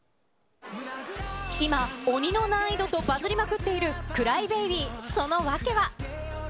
今、鬼の難易度とバズりまくっている、ＣｒｙＢａｂｙ、その訳は。